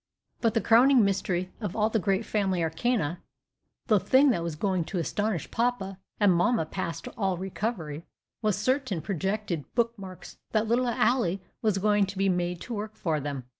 But the crowning mystery of all the great family arcana, the thing that was going to astonish papa and mamma past all recovery, was certain projected book marks, that little Ally was going to be made to work for them.